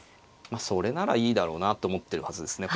それならいいだろうなって思ってるはずですね。